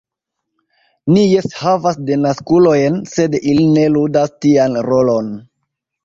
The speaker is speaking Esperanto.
Ni jes havas denaskulojn, sed ili ne ludas tian rolon.